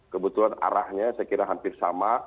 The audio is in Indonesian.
kebetulan arahnya saya kira hampir sama